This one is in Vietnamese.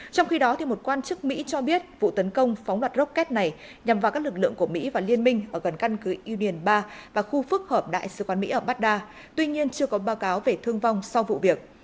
trong khi đó một quan chức mỹ cho biết vụ tấn công phóng đoạt rocket này nhằm vào các lực lượng của mỹ và liên minh ở gần căn cứ union ba và khu phức hợp đại sứ quán mỹ ở baghdad tuy nhiên chưa có báo cáo về thương vong sau vụ việc